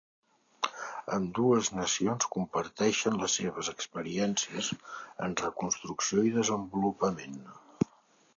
Ambdues nacions comparteixen les seves experiències en reconstrucció i desenvolupament.